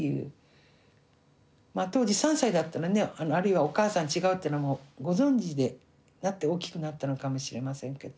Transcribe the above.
当時３歳だったらねあるいはお母さん違うっていうのもご存じで大きくなったのかもしれませんけど。